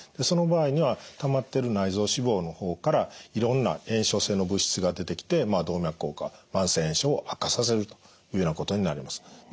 その場合にはたまってる内臓脂肪の方からいろんな炎症性の物質が出てきてまあ動脈硬化慢性炎症を悪化させるというようなことになります。